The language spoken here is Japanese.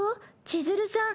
千鶴さん